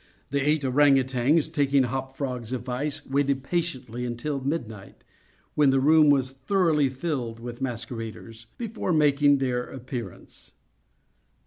The eight ourang outangs, taking Hop Frog's advice, waited patiently until midnight (when the room was thoroughly filled with masqueraders) before making their appearance.